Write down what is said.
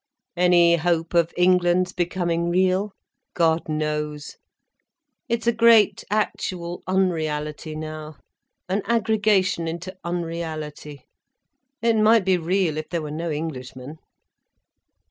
"Any hope of England's becoming real? God knows. It's a great actual unreality now, an aggregation into unreality. It might be real, if there were no Englishmen."